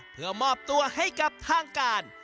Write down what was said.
เพื่อมอบตัวให้กับทางการ